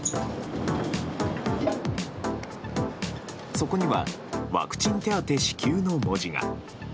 そこにはワクチン手当支給の文字が。